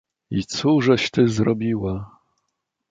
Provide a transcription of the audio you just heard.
"i cóżeś ty zrobiła?..."